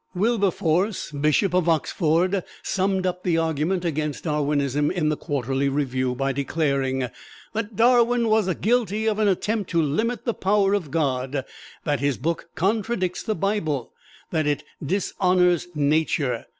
Wilberforce, Bishop of Oxford, summed up the argument against Darwinism in the "Quarterly Review," by declaring that "Darwin was guilty of an attempt to limit the power of God"; that his book "contradicts the Bible"; that "it dishonors Nature."